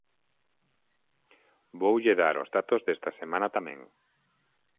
Voulle dar os datos desta semana tamén.